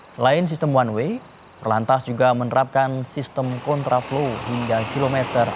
selain sistem one way perlantas juga menerapkan sistem kontraflow hingga kilometer